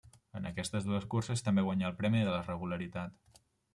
En aquestes dues curses també guanyà el premi de la regularitat.